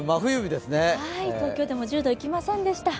東京でも１０度いきませんでした。